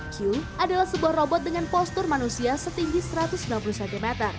q adalah sebuah robot dengan postur manusia setinggi satu ratus sembilan puluh cm